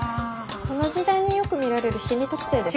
この時代によく見られる心理特性です。